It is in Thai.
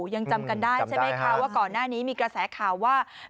ยังจำกันได้ใช่ไหมคะว่าก่อนหน้านี้มีกระแสข่าวว่า